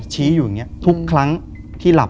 ชี้อยู่อย่างนี้ทุกครั้งที่หลับ